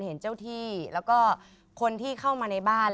เห็นเจ้าที่แล้วก็คนที่เข้ามาในบ้าน